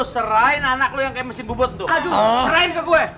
serahin ke gue